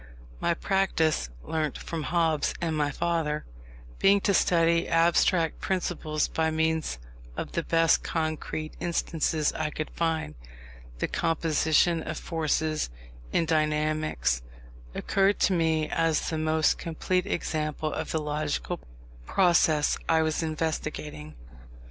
My practice (learnt from Hobbes and my father) being to study abstract principles by means of the best concrete instances I could find, the Composition of Forces, in dynamics, occurred to me as the most complete example of the logical process I was investigating.